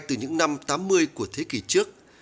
từ những năm tám mươi của thế kỷ trước